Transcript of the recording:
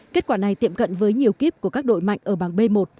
kết quả này tiệm cận với nhiều kíp của các đội mạnh ở bảng b một